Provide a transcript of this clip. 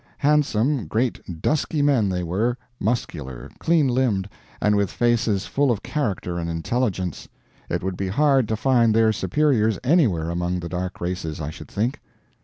Handsome, great dusky men they were, muscular, clean limbed, and with faces full of character and intelligence. It would be hard to find their superiors anywhere among the dark races, I should think.